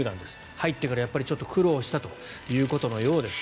入ってから苦労したということのようです。